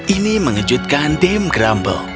ini mengejutkan dame grumble